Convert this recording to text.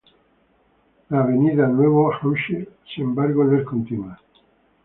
La avenida Nuevo Hampshire, sin embargo no es continua.